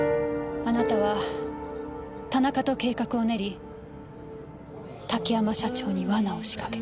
あなたは田中と計画を練り竹山社長に罠を仕掛けた。